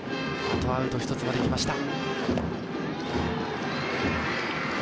あとアウト１つまできました。